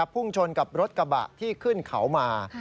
พุ่งชนกับรถกระบะที่ขึ้นเขามา